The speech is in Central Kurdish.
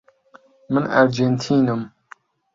من ئەرجێنتینم.